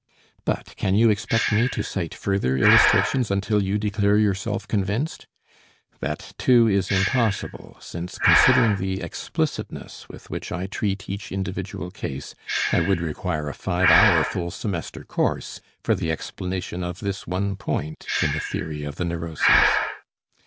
But can you expect me to cite further illustrations until you declare yourself convinced? That too is impossible, since considering the explicitness with which I treat each individual case, I would require a five hour full semester course for the explanation of this one point in the theory of the neuroses.